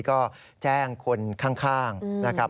ก็แจ้งคนข้างนะครับ